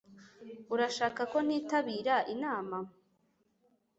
Urashaka ko ntitabira inama